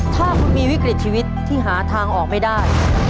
ถ้าคุณมีวิกฤตชีวิตที่หาทางออกไม่ได้